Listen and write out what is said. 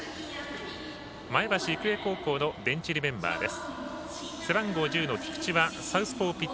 前橋育英高校のベンチ入りメンバーです。